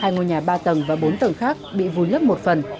hai ngôi nhà ba tầng và bốn tầng khác bị vùi lấp một phần